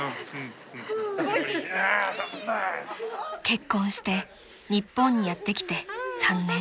［結婚して日本にやって来て３年］